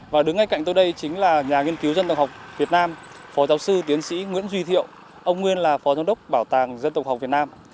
và đứng ngay cạnh tôi đây chính là nhà nghiên cứu dân tộc học việt nam phó giáo sư tiến sĩ nguyễn duy thiệu ông nguyên là phó giám đốc bảo tàng dân tộc học việt nam